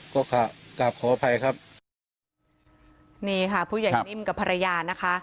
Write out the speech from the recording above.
ก็กลับขออภัยครับนี่ค่ะผู้ใหญ่นิ่มกับภรรยานะคะ